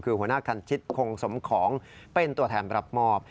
คือหัวหน้าคันชิตคงสมของเป็นตัวแทนรับมอบ